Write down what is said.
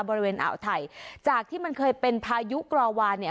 บริเวณอ่าวไทยจากที่มันเคยเป็นพายุกรอวาเนี่ย